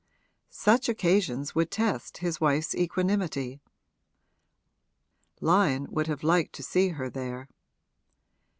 Such occasions would test his wife's equanimity Lyon would have liked to see her there.